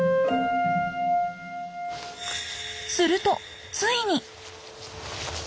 するとついに！